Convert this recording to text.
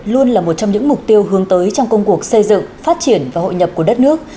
luôn là một trong những mục tiêu hướng tới trong công cuộc xây dựng phát triển và hội nhập của đất nước